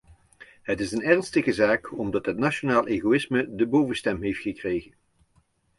Het is een ernstige zaak, omdat het nationale egoïsme de bovenstem heeft gekregen.